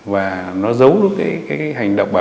và nó giấu được cái hành động bà